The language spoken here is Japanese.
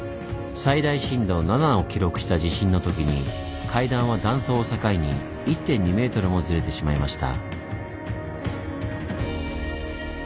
最大震度７を記録した地震の時に階段は断層を境に１．２メートルもずれてしまいました。